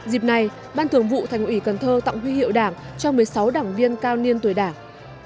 dịp này ban thường vụ thành ủy cần thơ tặng huy hiệu đảng cho một mươi sáu đảng viên cao niên tuổi đảng